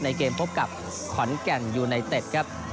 เกมพบกับขอนแก่นยูไนเต็ดครับ